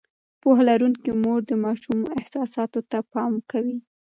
پوهه لرونکې مور د ماشوم احساساتو ته پام کوي.